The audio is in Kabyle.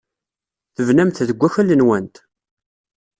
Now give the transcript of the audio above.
Tebnamt deg wakal-nwent?